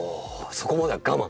そこまでは我慢？